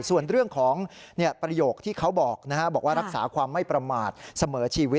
ส่วนเรื่องของประโยคที่เขาบอกว่ารักษาความไม่ประมาทเสมอชีวิต